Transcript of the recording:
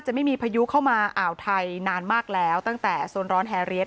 ไม่มีพายุเข้ามาอ่าวไทยนานมากแล้วตั้งแต่โซนร้อนแฮเรียส